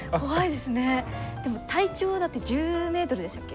でも体長だって１０ｍでしたっけ？